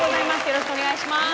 よろしくお願いします。